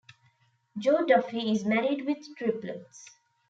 Joe Duffy is married with triplets.